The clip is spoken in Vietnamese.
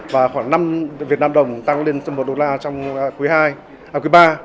và khoảng năm việt nam đồng tăng lên một đô la trong quý hai à quý ba